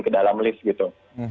kedalam list gitu